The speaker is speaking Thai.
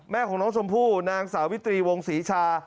ของน้องชมพู่นางสาวิตรีวงศรีชา